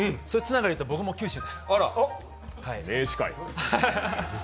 そういうつながりでいうと僕も九州です。